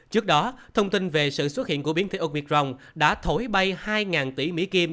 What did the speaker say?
trước đó thông tin về sự xuất hiện của biến thể ocrong đã thổi bay hai tỷ mỹ kim